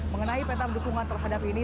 mengenai peta dukungan terhadap ini